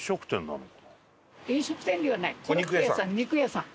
お肉屋さん？